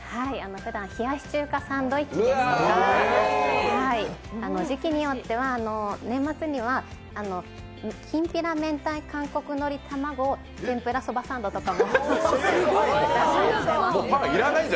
ふだん冷やし中華サンドイッチですとか時期によっては年末にはきんぴら明太韓国のり玉子をサンドして。